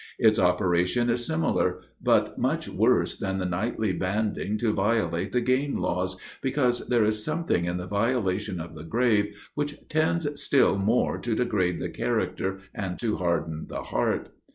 Its operation is similar, but much worse than the nightly banding to violate the game laws, because there is something in the violation of the grave, which tends still more to degrade the character and to harden the heart.